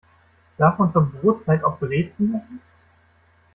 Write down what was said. Darf man zur Brotzeit auch Brezen essen?